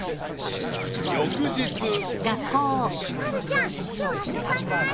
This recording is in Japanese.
［翌日］まるちゃん今日遊ばない？